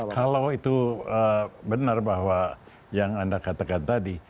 kalau itu benar bahwa yang anda katakan tadi